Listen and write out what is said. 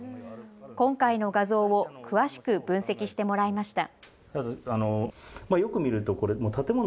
今回の画像を詳しく分析してもらいました。